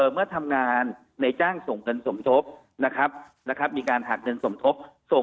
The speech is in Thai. เมื่อทำงานในจ้างส่งเงินสมทบนะครับมีการหักเงินสมทบส่ง